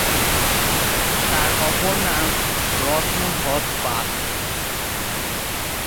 তার অপর নাম রত্নধ্বজপাল।